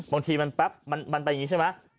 บางทีมันแป๊บมันไปอย่างนี้ใช่ไหม